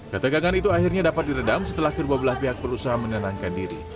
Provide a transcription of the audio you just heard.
ketegangan itu akhirnya dapat diredam setelah kedua belah pihak berusaha menenangkan diri